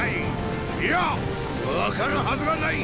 いや分かるはずがない！